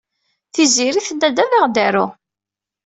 Tiziri tenna-d ad aɣ-d-taru.